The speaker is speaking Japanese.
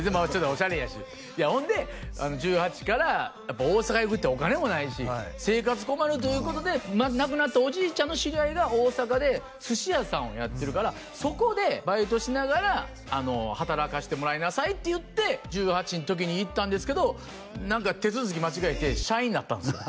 オシャレやしいやほんで１８から大阪行くってお金もないし生活困るということで亡くなったおじいちゃんの知り合いが大阪で寿司屋さんをやってるからそこでバイトしながら働かしてもらいなさいっていって１８ん時に行ったんですけど何か手続き間違えて社員になったんですよ